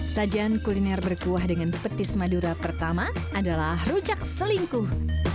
sajian kuliner berkuah dengan petis madura pertama adalah rujak selingkuh